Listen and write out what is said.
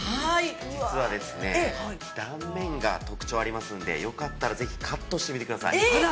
実は、断面が特徴がありますので、よかったら、よかったら、ぜひ、カットしてみてください。